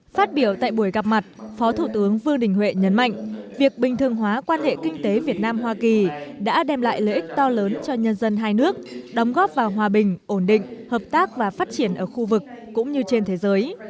phát biểu tại buổi gặp mặt phó thủ tướng vương đình huệ nhấn mạnh việc bình thường hóa quan hệ kinh tế việt nam hoa kỳ đã đem lại lợi ích to lớn cho nhân dân hai nước đóng góp vào hòa bình ổn định hợp tác và phát triển ở khu vực cũng như trên thế giới